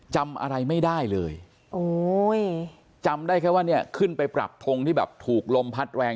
จำอะไรไม่ได้เลยโอ้ยจำได้แค่ว่าเนี่ยขึ้นไปปรับทงที่แบบถูกลมพัดแรง